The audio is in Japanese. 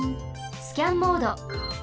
スキャンモード。